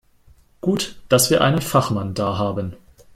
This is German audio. Gut, dass wir einen Fachmann da haben.